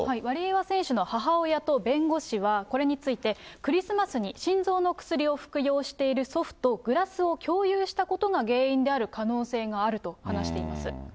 ワリエワ選手の母親と弁護士は、これについて、クリスマスに心臓の薬を服用している祖父と、グラスを共有したことが原因である可能性があると話しています。